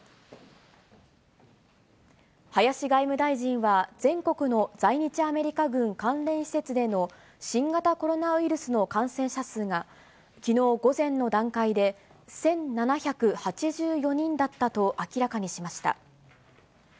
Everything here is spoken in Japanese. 林外務大臣は、全国の在日アメリカ軍関連施設での新型コロナウイルスの感染者数が、きのう午前の段階で１７８４人だったと明らかにしました。